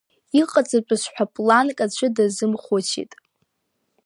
Иҟаҵатәыз ҳәа планк аӡәы дазымхәыцит.